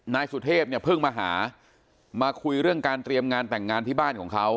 นายสุเทพเนี่ยเพิ่งมาหามาคุยเรื่องการเตรียมงานแต่งงานที่บ้านของเขา